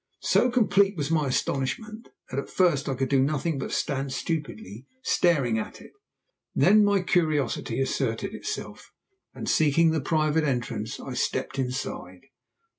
So complete was my astonishment that at first I could do nothing but stand stupidly staring at it, then my curiosity asserted itself and, seeking the private entrance, I stepped inside.